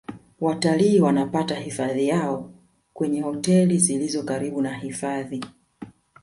watalii wanapata hifadhi yao kwenye hoteli zilizo karibu na hifadhi